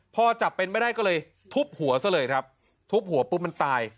พอจับเป็นไม่ได้ก็เลยทุบหัวซะเลยครับทุบหัวปุ๊บมันตาย